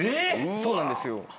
そうなんですよ。